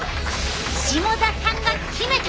下田さんが決めた！